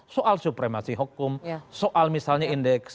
soal supremasi hukum soal misalnya indeks